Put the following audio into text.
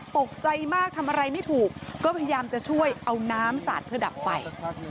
ตกใจมากทำอะไรไม่ถูกก็พยายามจะช่วยเอาน้ำสาดเพื่อดับไฟ